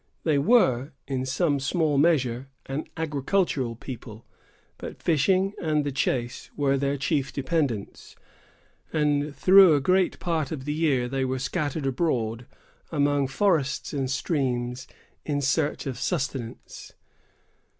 They were, in some small measure, an agricultural people; but fishing and the chase were their chief dependence, and through a great part of the year they were scattered abroad, among forests and streams, in search of sustenance.